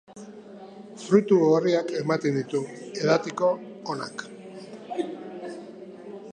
Fruitu gorriak ematen ditu, edateko onak.